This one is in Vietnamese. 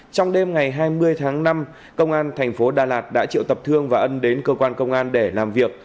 trong đêm ngày hai mươi tháng năm công an thành phố đà lạt đã triệu tập thương và ân đến cơ quan công an để làm việc